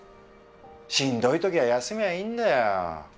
しんどい時は休みゃいいんだよ。